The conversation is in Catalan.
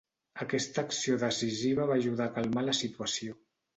Aquesta acció decisiva va ajudar a calmar la situació.